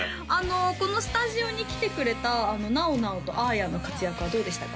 このスタジオに来てくれたなおなおとあーやの活躍はどうでしたか？